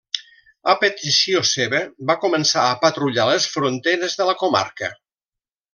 A petició seva, va començar a patrullar les fronteres de la Comarca.